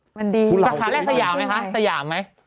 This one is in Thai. สถานที่แรกสยามไหมคะสยามไหม